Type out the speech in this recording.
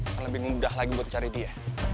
akan lebih mudah lagi buat cari dia